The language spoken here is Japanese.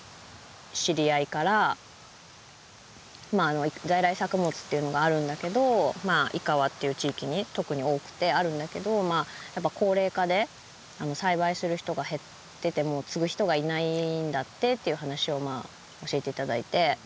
知り合いから在来作物っていうのがあるんだけど井川っていう地域に特に多くてあるんだけど高齢化で栽培する人が減ってて継ぐ人がいないんだってっていう話を教えて頂いて。